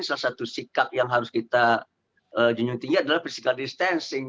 salah satu sikap yang harus kita junjung tinggi adalah physical distancing